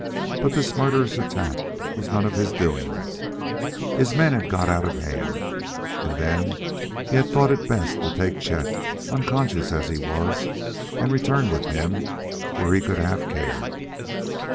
But this murderous attack was none of his doing; his men had got out of hand; and then he had thought it best to take Chet, unconscious as he was and return with him where he could have care.